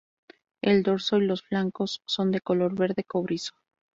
El dorso y los flancos son de color verde cobrizo.